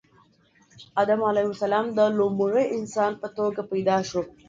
آدم علیه السلام د لومړي انسان په توګه پیدا شو